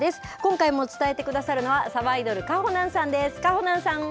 今回も伝えてくださるのは、さばいどる、かほなんさんです。